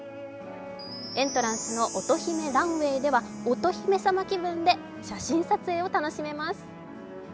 エントランスの乙姫ランウェイでは乙姫様気分で写真撮影を楽しめます。